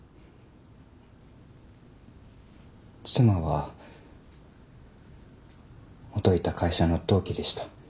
妻は元いた会社の同期でした。